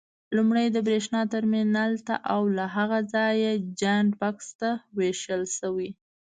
لومړی د برېښنا ترمینل ته او له هغه ځایه جاینټ بکس ته وېشل شوي.